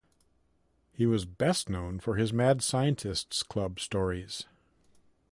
He was best known for his "Mad Scientists' Club" stories.